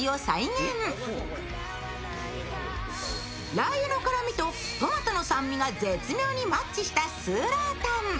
ラー油の辛みとトマトの酸味が絶妙にマッチした酸辣湯。